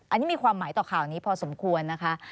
อันนี้มีความหมายต่อข่าวนี้พอสมควรนะคะ